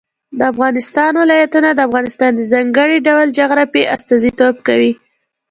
د افغانستان ولايتونه د افغانستان د ځانګړي ډول جغرافیه استازیتوب کوي.